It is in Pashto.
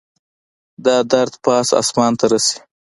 دا درد پاس اسمان ته رسي